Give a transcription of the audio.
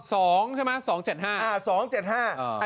ใช่ไหมสองเจ็ดห้าอ่าสองเจ็ดห้าอ่า